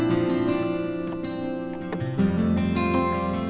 selantai sama saya dong